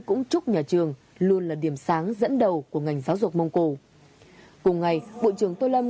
cũng chúc nhà trường luôn là điểm sáng dẫn đầu của ngành giáo dục mông cổ cùng ngày bộ trưởng tô lâm